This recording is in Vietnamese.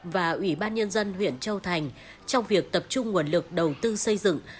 và ủy ban nhân dân huyện châu thành trong việc tập trung nguồn lực đầu tư xây dựng